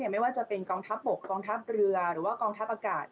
ไม่ว่าจะเป็นกองทัพบกกองทัพเรือหรือว่ากองทัพอากาศ